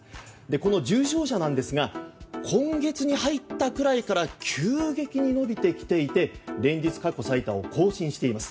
この重症者なんですが今月に入ったくらいから急激に伸びてきていて連日過去最多を更新しています。